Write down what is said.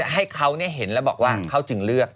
ให้เขาเห็นแล้วบอกว่าเขาจึงเลือก